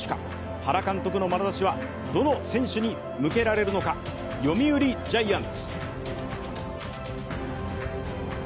原監督のまなざしはどの選手に向けられるのか、読売ジャイアンツ。